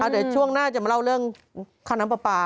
เดี๋ยวช่วงหน้าจะมาเล่าเรื่องค่าน้ำปลา